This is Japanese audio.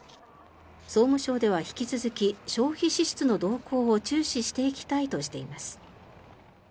総務省では引き続き消費支出の動向を注視していきたいとしています。